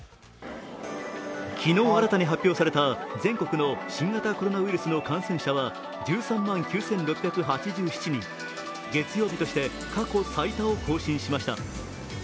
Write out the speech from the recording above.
昨日新たに始まった全国の新型コロナウイルスの感染者は１３万９６８７人、月曜日として過去最多を更新しました。